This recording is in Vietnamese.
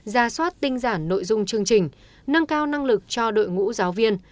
ra soát tinh giản nội dung chương trình nâng cao năng lực cho đội ngũ giáo viên